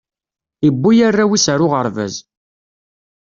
iwwi arraw is ar uɣerbaz